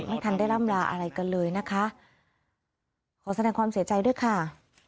ไม่ทันได้ร่ำลาอะไรกันเลยนะคะขอแสดงความเสียใจด้วยค่ะ